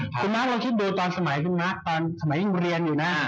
คุณมั๊กเราคิดดูตอนสมัยคุณมั๊กตอนสมัยยิ่งเรียนอยู่นะ